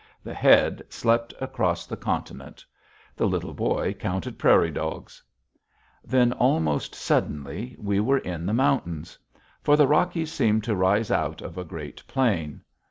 The Head slept across the continent. The Little Boy counted prairie dogs. Then, almost suddenly, we were in the mountains for the Rockies seem to rise out of a great plain.